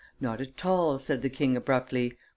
"Not at all," said the king abruptly.